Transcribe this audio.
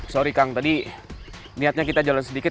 sorry kang tadi niatnya kita jalan sedikit